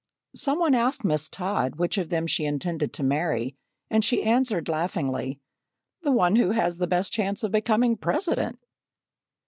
Some one asked Miss Todd which of them she intended to marry, and she answered laughingly: "The one who has the best chance of becoming President!"